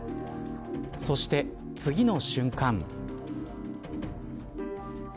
そして次の瞬間。